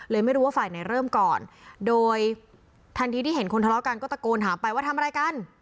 ไม่รู้ว่าฝ่ายไหนเริ่มก่อนโดยทันทีที่เห็นคนทะเลาะกันก็ตะโกนถามไปว่าทำอะไรกัน